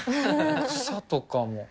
草とかも。